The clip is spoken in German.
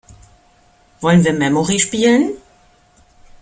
Wollen wir Memory spielen?